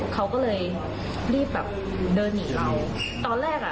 เขาก็เลยรีบแบบเดินหนีเราตอนแรกอ่ะ